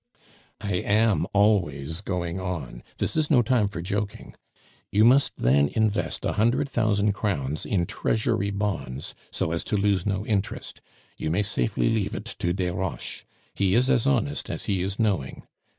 "I am always going on. This is no time for joking. You must then invest a hundred thousand crowns in Treasury bonds, so as to lose no interest; you may safely leave it to Desroches, he is as honest as he is knowing.